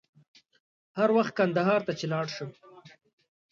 هر وخت کندهار ته چې ولاړ شم.